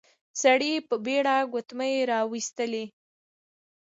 سړی په بېړه ګوتمی راويستلې.